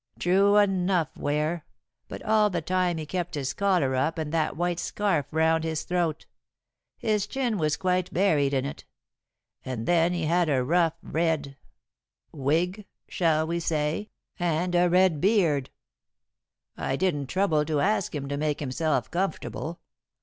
"True enough, Ware; but all the time he kept his collar up and that white scarf round his throat. His chin was quite buried in it. And then he had a rough red wig, shall we say? and a red beard. I didn't trouble to ask him to make himself comfortable.